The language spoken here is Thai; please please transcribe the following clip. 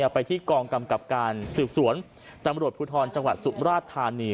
ไปที่กองกำกับการสืบสวนตำรวจภูทรจังหวัดสุมราชธานี